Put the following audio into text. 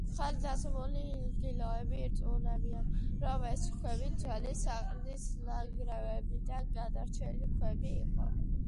ხანდაზმული ინგილოები ირწმუნებიან, რომ ეს ქვები ძველი საყდრის ნანგრევებიდან გადარჩენილი ქვები იყო.